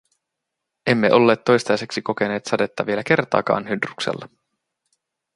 Emme olleet toistaiseksi kokeneet sadetta vielä kertaakaan Hydruksella.